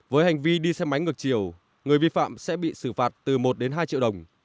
với hành vi đi xe máy ngược chiều người vi phạm sẽ bị xử phạt từ một đến hai triệu đồng